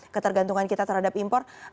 ketergantungan kita terhadap impor